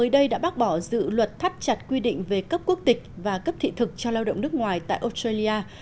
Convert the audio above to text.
đây đã bác bỏ dự luật thắt chặt quy định về cấp quốc tịch và cấp thị thực cho lao động nước ngoài tại australia